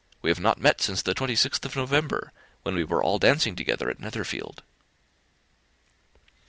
We have not met since the 26th of November, when we were all dancing together at Netherfield."